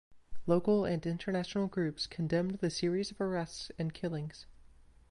Local and international groups condemned the series of arrests and killings.